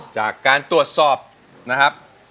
จากการตรวจสอบนะครับ